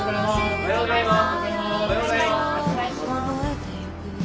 おはようございます。